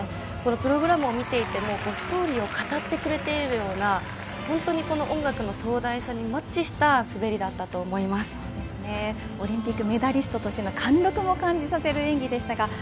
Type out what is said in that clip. このプログラムを見ていてもストーリーを語ってくれているような本当に音楽の壮大さにマッチしたオリンピックメダリストとしての貫禄も感じさせる演技でした。